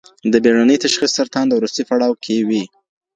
د بېړني تشخیص سرطان د وروستي پړاو کې وي.